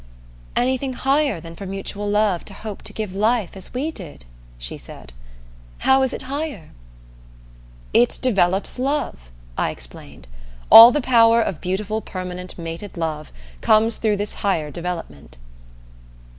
"Anything higher than for mutual love to hope to give life, as we did?" she said. "How is it higher?" "It develops love," I explained. "All the power of beautiful permanent mated love comes through this higher development."